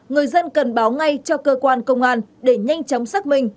người dân cần báo ngay cho cơ quan công an để nhanh chóng xác minh